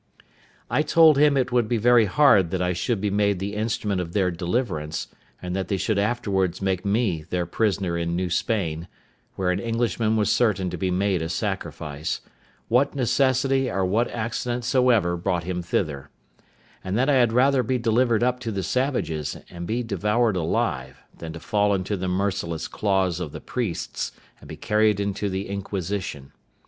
I told him it would be very hard that I should be made the instrument of their deliverance, and that they should afterwards make me their prisoner in New Spain, where an Englishman was certain to be made a sacrifice, what necessity or what accident soever brought him thither; and that I had rather be delivered up to the savages, and be devoured alive, than fall into the merciless claws of the priests, and be carried into the Inquisition.